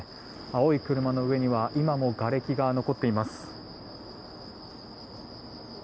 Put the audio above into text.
青い車の上には今もがれきが残っています。